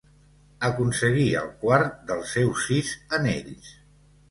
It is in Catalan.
Aconseguí el quart dels seus sis anells.